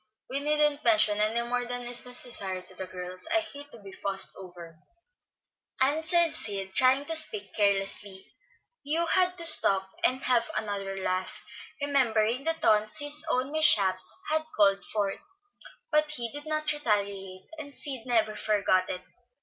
We needn't mention any more than is necessary to the girls; I hate to be fussed over," answered Sid, trying to speak carelessly. Hugh had to stop and have another laugh, remembering the taunts his own mishaps had called forth; but he did not retaliate, and Sid never forgot it.